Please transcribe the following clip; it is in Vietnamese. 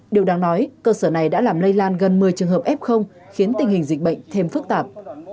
điều đáng nói cơ sở này đã làm lây lan gần một mươi trường hợp f khiến tình hình dịch bệnh thêm phức tạp